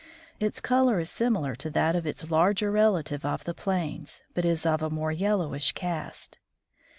Its color is similar to that of its larger relative of the plains, but is of a more yellowish cast.